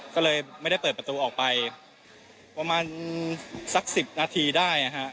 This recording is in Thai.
ก็เลยไม่ได้เปิดประตูออกไปประมาณสัก๑๐นาทีได้นะฮะ